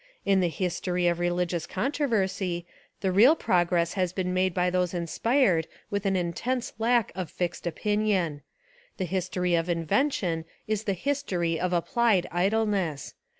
In the history of reli gious controversy the real progress has been 273 Essays and Literary Studies made by those inspired with an intense lack. of fixed opinion : the history of invention is the history of applied idleness.